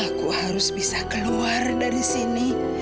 aku harus bisa keluar dari sini